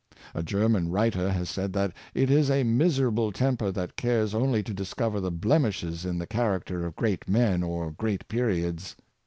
A German writer has said that it is a miserable temper that cares only to discover the blemishes in the character of great men or great periods.